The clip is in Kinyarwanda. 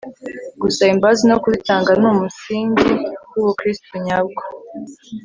gusaba imbabazi no kuzitanga ni umusingi w'ubukristu nyabwo